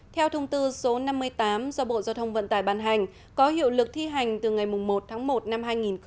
theo thông tư số năm mươi tám do bộ giao thông vận tải bàn hành có hiệu lực thi hành từ ngày một tháng một năm hai nghìn hai mươi